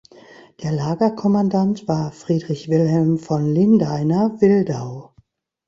Der Lagerkommandant war Friedrich Wilhelm von Lindeiner-Wildau.